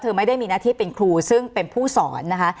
ไม่ได้มีหน้าที่เป็นครูซึ่งเป็นผู้สอนนะคะ